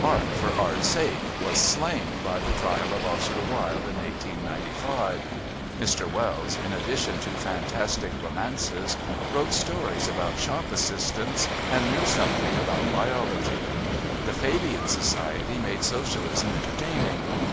"Art for Art's sake" was slain by the trial of Oscar Wilde in 1895. Mr Wells, in addition to fantastic romances, wrote stories about shop assistants and knew something about biology. The Fabian Society made socialism entertaining.